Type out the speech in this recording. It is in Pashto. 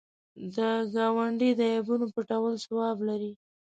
د ګاونډي د عیبونو پټول ثواب لري